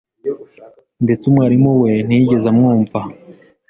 Ndetse umwarimu we ntiyigeze amwumva.